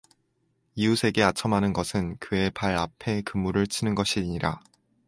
이웃에게 아첨하는 것은 그의 발 앞에 그물을 치는 것이니라